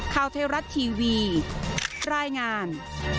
ข่าวไทยรัฐทีวีรายงาน